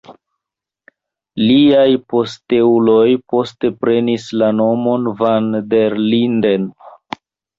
Liaj posteuloj poste prenis la nomon van der Linden.